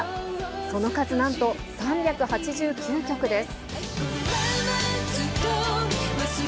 その数なんと３８９曲です。